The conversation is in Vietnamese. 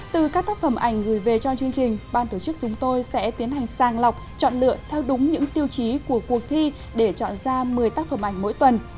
từ các tác phẩm ảnh gửi về cho chương trình ban tổ chức chúng tôi sẽ tiến hành sàng lọc chọn lựa theo đúng những tiêu chí của cuộc thi để chọn ra một mươi tác phẩm ảnh mỗi tuần